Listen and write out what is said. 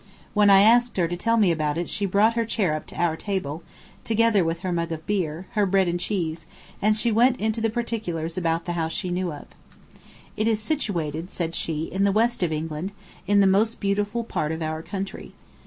When I asked her to tell me about it she brought her chair up to our table, together with her mug of beer, her bread and cheese, and she went into particulars about the house she knew of. "It is situated," said she, "in the west of England, in the most beautiful part of our country.